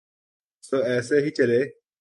سو ایسے ہی چلے۔